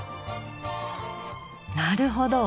なるほど。